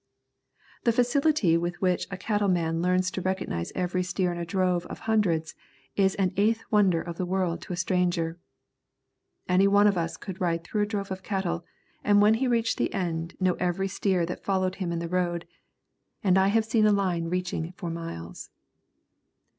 The facility with which a cattle man learns to recognise every steer in a drove of hundreds is an eighth wonder of the world to a stranger. Anyone of us could ride through a drove of cattle, and when he reached the end know every steer that followed him in the road, and I have seen a line reaching for miles.